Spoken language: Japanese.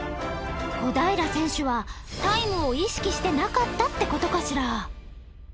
小平選手はタイムを意識してなかったって事かしら？